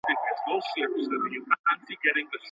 که په ادارو کي میرزایي کمه سي، نو مراجعین نه سرګردانه کیږي.